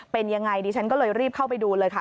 เป็นยังไงดิฉันก็เลยรีบเข้าไปดูเลยค่ะ